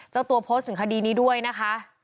เจ้าตัวโพสต์ถึงคดีนี้ด้วยนะคะ